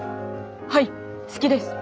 はい好きです。